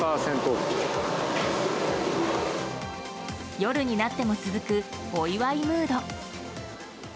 夜になっても続くお祝いムード。